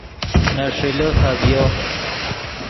نے ݰیلے خبیو